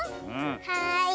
はい。